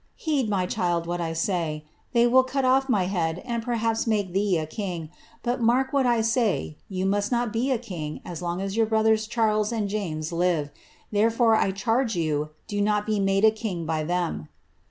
^ Heed, my child, what I aay ; will cut off my head, and perhaps make thee a king ; but, mark w say, you must not be a king as long as your brothers Charles and J live; therefore, I charge you, do not be made a king by them.'